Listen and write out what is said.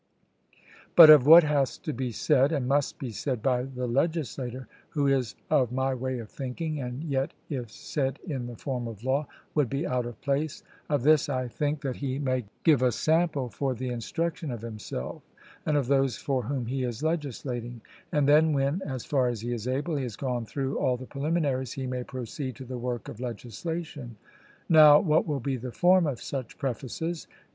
But of what has to be said, and must be said by the legislator who is of my way of thinking, and yet, if said in the form of law, would be out of place of this I think that he may give a sample for the instruction of himself and of those for whom he is legislating; and then when, as far as he is able, he has gone through all the preliminaries, he may proceed to the work of legislation. Now, what will be the form of such prefaces?